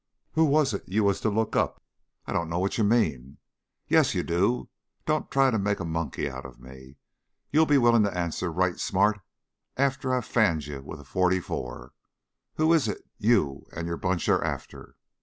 "Who was it you was to look up?" "I don't know what you mean." "Yes you do. Don't try to make a monkey of me. You'll be willing to answer right smart after I've fanned you with a forty four. Who is it you and your bunch are after?"